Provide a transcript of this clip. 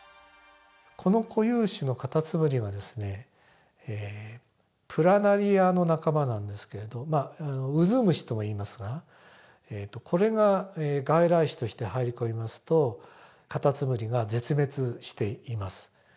この固有種のカタツムリはですねプラナリアの仲間なんですけれどまあ渦虫ともいいますがこれが外来種として入り込みますとカタツムリが絶滅しています。